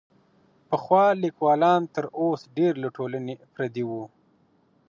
پخوا ليکوالان تر اوس ډېر له ټولني پردي وو.